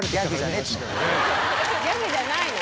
ギャグじゃないの？